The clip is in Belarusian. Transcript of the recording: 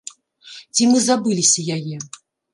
Ці мы забыліся яе?